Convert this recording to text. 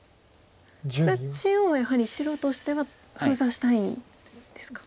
これは中央はやはり白としては封鎖したいんですか。